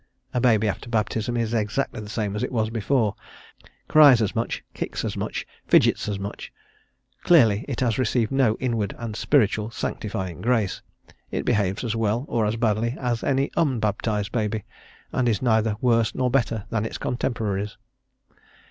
A baby after baptism is exactly the same as it was before; cries as much, kicks as much, fidgets as much; clearly it has received no inward and spiritual sanctifying grace; it behaves as well or as badly as any unbaptized baby, and is neither worse nor better than its contemporaries.